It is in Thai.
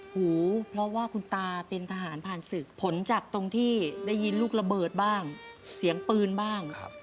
หูเพราะว่าคุณตาเป็นทหารผ่านศึกผลจากตรงที่ได้ยินลูกระเบิดบ้างเสียงปืนบ้าง